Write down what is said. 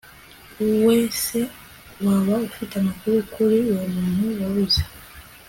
wese waba ufite amakuru kuri uwo muntu wabuze